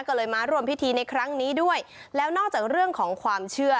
ก็เลยมาร่วมพิธีในครั้งนี้ด้วยแล้วนอกจากเรื่องของความเชื่อ